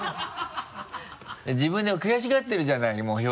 自分で悔しがってるじゃないもう表情が。